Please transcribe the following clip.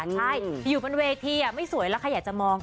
ใช่อยู่บนเวทีไม่สวยแล้วใครอยากจะมอง